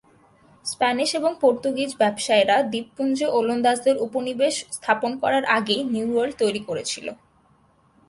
Spanish এবং Portuguese ব্যবসায়ীরা দ্বীপপুঞ্জে ওলন্দাজদের উপনিবেশ স্থাপন করার আগেই নিউ ওয়ার্ল্ড তৈরি করেছিল।